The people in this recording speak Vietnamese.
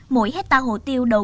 mỗi hectare hồ tiêu đầu tiên